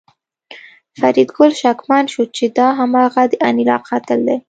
فریدګل شکمن شو چې دا هماغه د انیلا قاتل دی